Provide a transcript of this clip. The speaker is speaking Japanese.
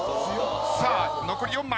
さあ残り４枚。